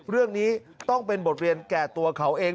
เรื่องนี้ต้องเป็นบทเรียนแก่ตัวเขาเอง